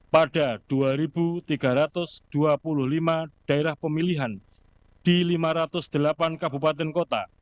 pada dua tiga ratus dua puluh lima daerah pemilihan di lima ratus delapan kabupaten kota